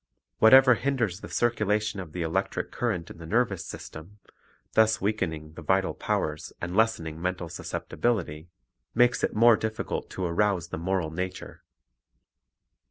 Whatever Moral Effect hinders the circulation of the electric current in the nervous system, thus weakening the vital powers and lessening mental susceptibility, makes it more difficult to arouse the moral nature.